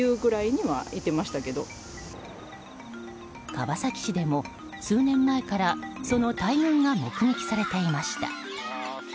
川崎市でも数年前からその大群が目撃されていました。